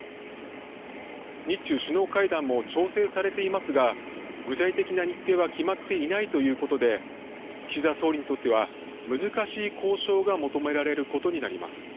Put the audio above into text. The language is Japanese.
日中首脳会談も調整されていますが、具体的な日程は決まっていないということで、岸田総理にとっては、難しい交渉が求められることになります。